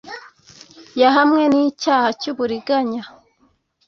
Yahamwe n icyaha cy uburiganya